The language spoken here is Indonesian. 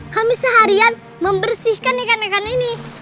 kami seharian membersihkan ikan ikan ini